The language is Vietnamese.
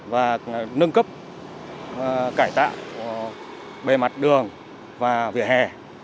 và nâng cấp cải tạo bề mặt đường và vỉa hè